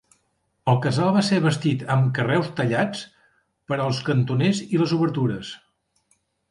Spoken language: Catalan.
El casal va ser bastit amb carreus tallats per als cantoners i les obertures.